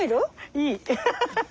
いい。